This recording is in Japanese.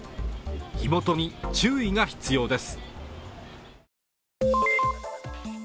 火元に注意が必要です。